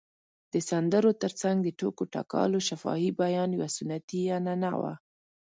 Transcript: د سندرو تر څنګ د ټوکو ټکالو شفاهي بیان یوه سنتي عنعنه وه.